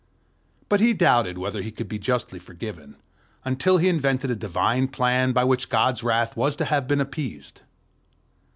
But he doubted whether he could be justly forgiven, until he invented a divine Plan by which God's wrath was to have been appeased.